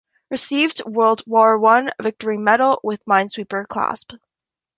Received World War One Victory Medal with Minesweeper Clasp.